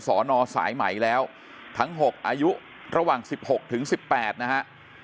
สอนอสายไหมแล้วทั้ง๖อายุระหว่าง๑๖ถึง๑๘นะฮะ